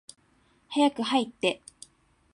早く入って。